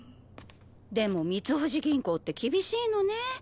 でもミツホシ銀行って厳しいのね。